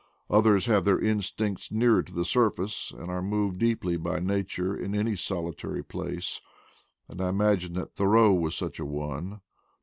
Others have their instincts nearer to the surface, and are moved deeply by nature in any solitary place ; and I imagine that Thoreau was such a one.